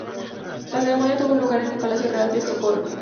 La ceremonia tuvo lugar en el Palacio Real de Estocolmo.